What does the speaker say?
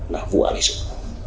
là vụ án hệ trực